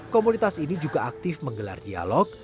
komunitas ini juga aktif menggelar dialog